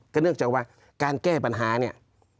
เนื่องจากว่าการแก้ปัญหาเนี่ย